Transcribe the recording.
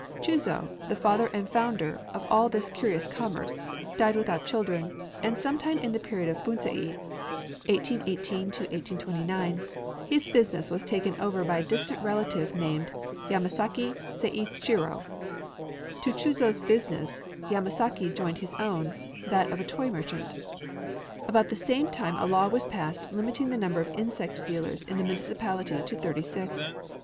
Chūzō, the father and founder of all this curious commerce, died without children; and sometime in the period of Bunsei (1818 1829) his business was taken over by a distant relative named Yamasaki Seïchirō. To Chūzō's business, Yamasaki joined his own, that of a toy merchant. About the same time a law was passed limiting the number of insect dealers in the municipality to thirty six.